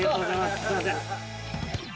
すいません。